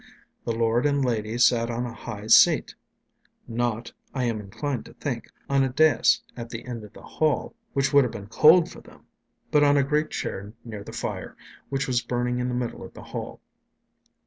The lord and lady sat on a high seat; not, I am inclined to think, on a dais at the end of the hall, which would have been cold for them, but on a great chair near the fire, which was burning in the middle of the hall.